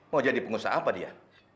mau jadi pengusaha apa dia